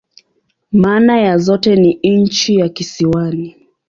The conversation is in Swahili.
Maana ya zote ni "nchi ya kisiwani.